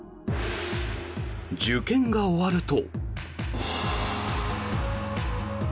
受験が終わると。